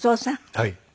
はい。